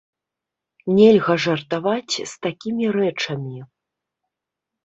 Нельга жартаваць з такімі рэчамі.